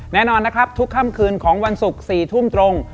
แน่นอนนะครับทุกค่ำคืนของวันศุกร์๔ทุ่มตรง